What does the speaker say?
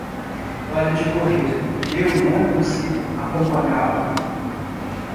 Pare de correr, eu não consigo acompanhá-lo.